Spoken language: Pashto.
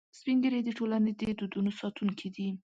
سپین ږیری د ټولنې د دودونو ساتونکي دي